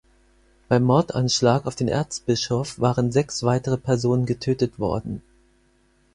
Beim Mordanschlag auf den Erzbischof waren sechs weitere Personen getötet worden.